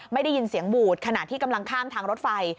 ได้ยินเสียงบูดขณะที่กำลังข้ามทางรถไฟ